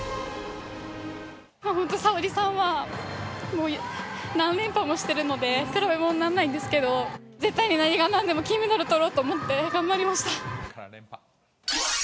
本当、沙保里さんは、もう何連覇もしてるので、比べものになんないんですけど、絶対に何がなんでも金メダルとろうと思って、頑張りました。